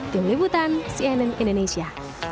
tim liputan cnn indonesia